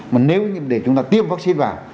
mà nếu như để chúng ta tiếp vaccine vào